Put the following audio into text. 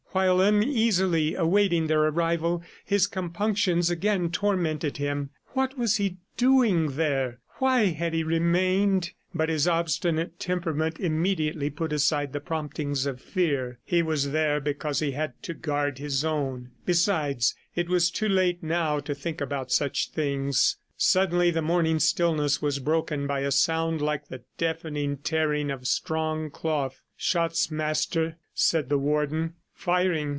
While uneasily awaiting their arrival his compunctions again tormented him. What was he doing there? Why had he remained? ... But his obstinate temperament immediately put aside the promptings of fear. He was there because he had to guard his own. Besides, it was too late now to think about such things. Suddenly the morning stillness was broken by a sound like the deafening tearing of strong cloth. "Shots, Master," said the Warden. "Firing!